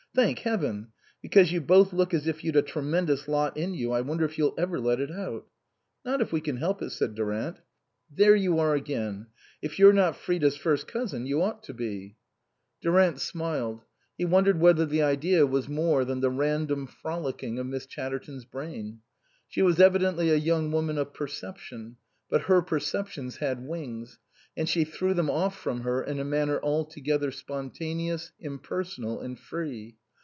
" Thank Heaven ! Because you both look as if you'd a tremendous lot in you. I wonder if you'll ever let it out." " Not if we can help it," said Durant. " There you are again ! If you're not Frida's first cousin, you ought to be." 102 INLAND Durant smiled ; he wondered whether the idea was more than the random frolicking of Miss Chatterton's brain. She was evidently a young woman of perception ; but her perceptions had wings, and she threw them off from her in a manner altogether spontaneous, impersonal and free.